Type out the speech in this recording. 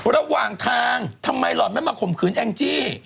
ระหว่างทางทำไมหล่อนไม่มาข่มขืนแองจี้